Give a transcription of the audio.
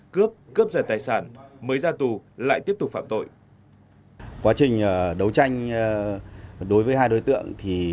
cướp cướp giật tài sản mới ra tù lại tiếp tục phạm tội